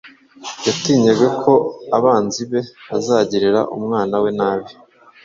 yatinyaga ko abanzi be bazagirira umwana we nabi